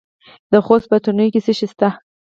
د خوست په تڼیو کې څه شی شته؟